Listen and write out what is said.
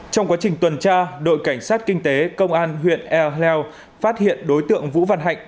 trong quá trình tuần tra đội cảnh sát kinh tế công an huyện ea heo phát hiện đối tượng vũ văn hạnh